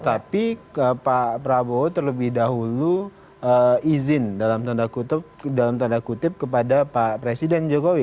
tapi pak prabowo terlebih dahulu izin dalam tanda kutip kepada pak presiden jokowi